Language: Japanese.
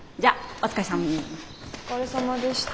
お疲れさまでした。